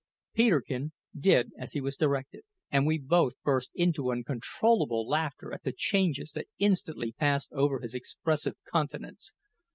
Peterkin did as he was directed, and we both burst into uncontrollable laughter at the changes that instantly passed over his expressive countenance.